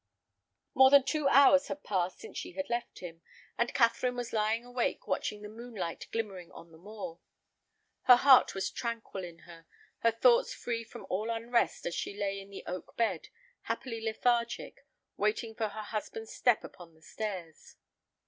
More than two hours had passed since she had left him, and Catherine was lying awake, watching the moonlight glimmering on the moor. Her heart was tranquil in her, her thoughts free from all unrest as she lay in the oak bed, happily lethargic, waiting for her husband's step upon the stairs.